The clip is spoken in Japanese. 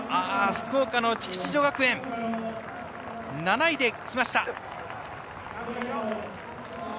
福岡の筑紫女学園が７位で来ました。